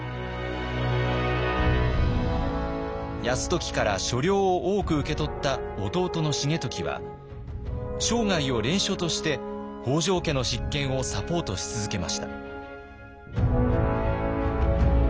泰時から所領を多く受け取った弟の重時は生涯を「連署」として北条家の執権をサポートし続けました。